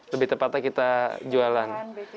lebih tepatnya kita jualan